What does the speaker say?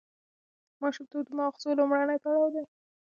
ماشومتوب د ماغزو لومړنی پړاو دی.